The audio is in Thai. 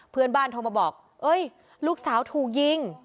เพื่อนบ้านโทรมาบอกเฮ้ยครูสาวถูกยิง